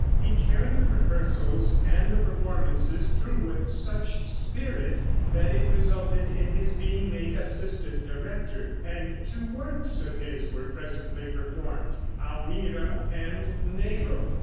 He carried the rehearsals and the performances through with such spirit that it resulted in his being made assistant director, and two works of his were presently performed "Almira" and "Nero."